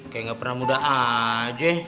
kayak gapernah muda aja